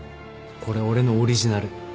これ俺のオリジナル。